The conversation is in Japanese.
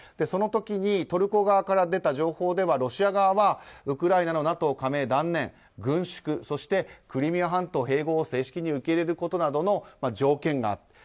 その時にトルコ側から出た情報ではロシア側はウクライナのＮＡＴＯ加盟を断念軍縮そしてクリミア半島の併合を正式に受け入れることなどの条件がある。